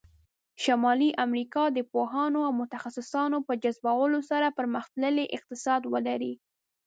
شمالي امریکا د پوهانو او متخصصانو په جذبولو سره پرمختللی اقتصاد ولری.